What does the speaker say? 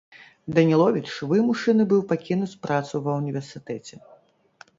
Даніловіч вымушаны быў пакінуць працу ва універсітэце.